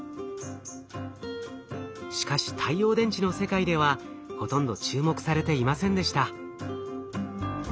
しかし太陽電池の世界ではほとんど注目されていませんでした。